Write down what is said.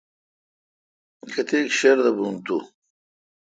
کیتیک شردے یون تو۔